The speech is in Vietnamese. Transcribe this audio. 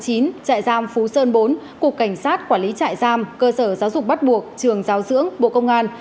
trại giam phú sơn bốn cục cảnh sát quản lý trại giam cơ sở giáo dục bắt buộc trường giáo dưỡng bộ công an